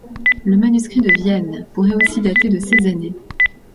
Le manuscrit de Vienne pourrait aussi dater de ces années.